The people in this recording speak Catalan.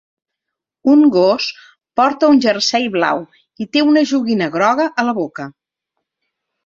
Un gos porta un jersei blau i té una joguina groga a la boca.